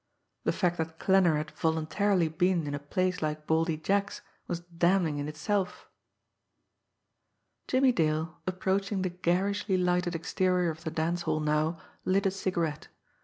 The fact that Klanner had voluntarily been in a place like Baldy Jack's was damning in itself! Jimmie Dale, approaching the garishly lighted exterior of the dance hall now, lit a cigarette.